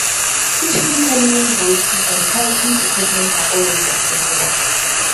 Fishing, canoeing, boating, and kayaking equipment are always accessible.